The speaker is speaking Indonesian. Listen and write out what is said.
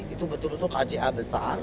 itu betul betul kja besar